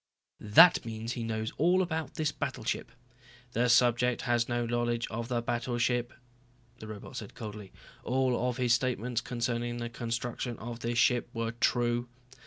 "That means he knows all about this battleship." "The subject has no knowledge of the battleship," the robot said coldly. "All of his statements concerning the construction of this ship were true."